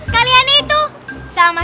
kalian itu sama